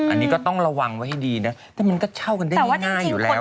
อันนี้ก็ต้องระวังไว้ให้ดีนะแต่มันก็เช่ากันได้ง่ายอยู่แล้ว